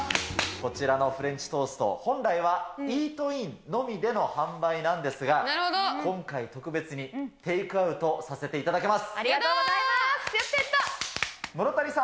こちらのフレンチトースト、本来はイートインのみでの販売なんですが、今回特別に、テイクアありがとうございます！